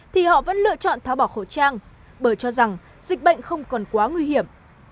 thì họ vẫn lựa chọn tháo bỏ khẩu trang bởi cho rằng dịch bệnh không còn quá nguy hiểm